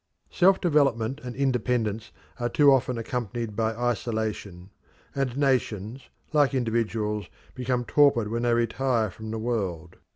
Self development and independence are too often accompanied by isolation, and nations, like individuals, become torpid when they retire from the world.